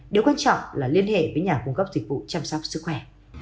điều quan trọng là liên hệ với nhà cung cấp dịch vụ chăm sóc sức khỏe